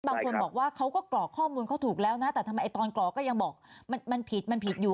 บางคนบอกว่าเขาก็กรอกข้อมูลเขาถูกแล้วนะแต่ทำไมตอนกรอกก็ยังบอกมันผิดมันผิดอยู่